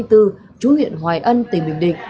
trú huyện hoài ân tỉnh bình định